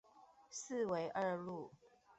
四維二路